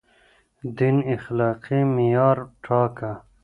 دين اخلاقي معيار ټاکه.